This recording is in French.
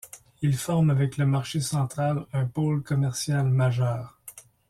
Il forme avec le Marché Central un pôle commercial majeur.